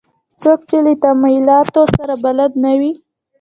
څوک چې له تمایلاتو سره بلد نه وي.